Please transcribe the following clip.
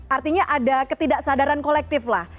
artinya ada ketidaksadaran kolektif lah